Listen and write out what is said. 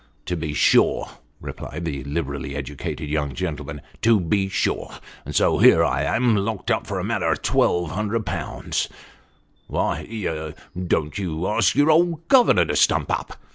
" To be sure," replied the liberally educated young gentleman. " To be sure ; and so here I am, locked up for a matter of twelve hundred pound." " Why don't you ask your old governor to stump up